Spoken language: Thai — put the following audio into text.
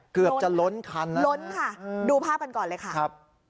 เกือบจะล้นคันล้นค่ะดูภาพกันก่อนเลยค่ะ